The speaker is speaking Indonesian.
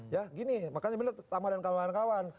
ya gini makanya bener sama dengan kawan kawan